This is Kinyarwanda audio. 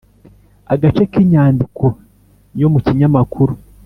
agace k’inyandiko yo mu kinyamakuru